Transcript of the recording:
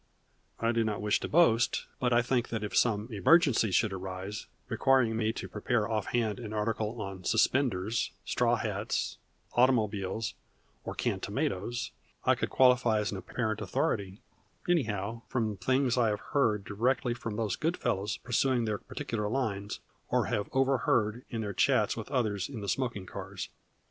I do not wish to boast, but I think that if some emergency should arise requiring me to prepare offhand an article on suspenders, straw hats, automobiles, or canned tomatoes, I could qualify as an apparent authority, anyhow, from things I have heard directly from the good fellows pursuing those particular lines, or have overheard in their chats with others, in the smoking cars.